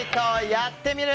「やってみる。」